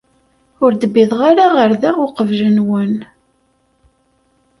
Ur d-wwiḍeɣ ara ɣer da uqbel-nwen.